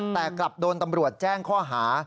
แต่กลับโดนตำรวจแจ้งข้อหา